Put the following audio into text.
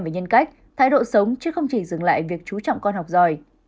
về nhân cách thái độ sống chứ không chỉ dừng lại việc chú trọng con học giỏi